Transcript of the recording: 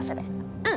うん。